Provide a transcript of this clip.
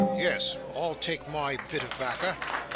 "Yes; I'll take my bit of backer."